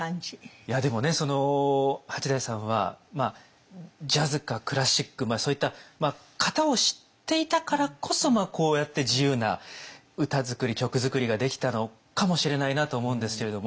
いやでもね八大さんはジャズかクラシックそういった型を知っていたからこそこうやって自由な歌作り曲作りができたのかもしれないなと思うんですけれども。